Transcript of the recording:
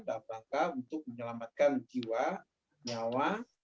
dalam rangka untuk menyelamatkan jiwa nyawa